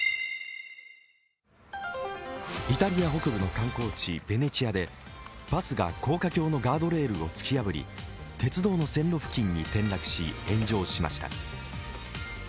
イタリア北部の観光地、ベネチアでバスが高架橋のガードレールを突き破り鉄道の線路付近に転落し炎上しました。